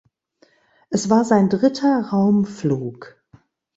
Es war sein dritter Raumflug.